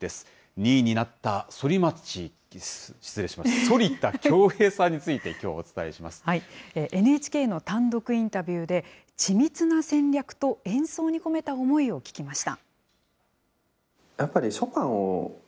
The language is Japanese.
２位になった反田恭平さんについＮＨＫの単独インタビューで、緻密な戦略と演奏に込めた思いを聞きました。